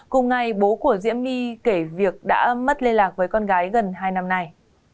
hôm nay bố của diễm my kể việc đã mất liên lạc với con gái gần hai năm nay